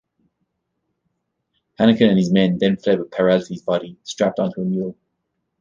Hanneken and his men then fled with Peralte's body strapped onto a mule.